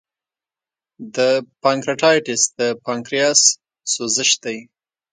د پانکریاتایټس د پانکریاس سوزش دی.